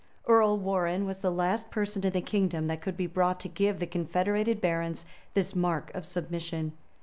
[*] Earl Warrenne was the last person in the kingdom that could be brought to give the confederated barons this mark of submission.